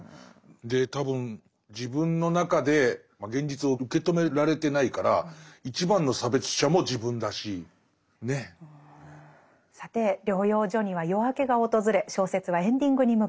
で多分自分の中で現実を受け止められてないから一番の差別者も自分だし。ね。さて療養所には夜明けが訪れ小説はエンディングに向かいます。